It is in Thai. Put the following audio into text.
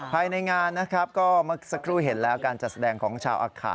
ภายในงานนะครับก็เมื่อสักครู่เห็นแล้วการจัดแสดงของชาวอาคา